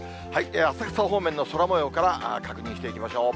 浅草方面の空もようから確認していきましょう。